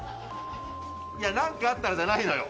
何かあったらじゃないのよ！